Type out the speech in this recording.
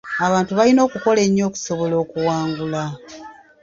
Abantu balina okukola ennyo okusobola okuwangula.